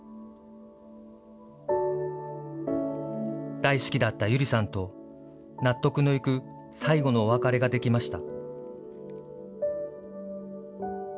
大好きだった百合さんと、納得のいく最期のお別れができました。